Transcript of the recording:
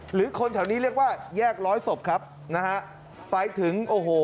หรือคนแถวนี้เรียกว่าแยกร้อยศพครับนะฮะไปถึงโอ้โห